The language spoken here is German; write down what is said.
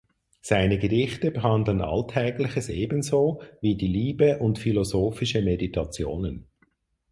Seine Gedichte behandeln Alltägliches ebenso wie die Liebe und philosophische Meditationen.